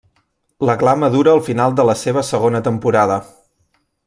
La gla madura al final de la seva segona temporada.